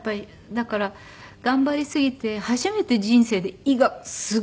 だから頑張りすぎて初めて人生で胃がすっごく痛くなって。